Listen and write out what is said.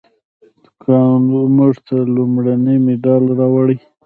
تکواندو موږ ته لومړنی مډال راوړ.